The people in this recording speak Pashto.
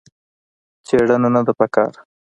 څېړنه نه ده په کار.